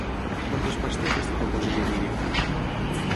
Quantes parts té aquesta composició lírica?